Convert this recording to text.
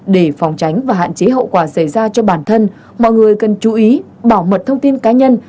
để phòng tránh và hạn chế hậu quả xảy ra cho bản thân mọi người cần chú ý bảo mật thông tin cá nhân